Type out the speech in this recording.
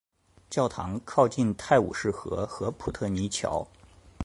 教堂靠近泰晤士河及普特尼桥。